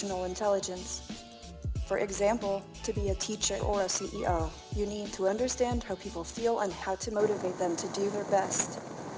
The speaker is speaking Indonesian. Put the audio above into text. contohnya untuk menjadi guru atau ceo anda perlu memahami bagaimana orang merasa dan bagaimana memotivasi mereka untuk melakukan yang terbaik